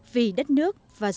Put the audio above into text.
vì đất nước và dân tộc